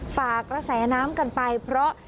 ฝากระแสน้ำกันไปเพราะ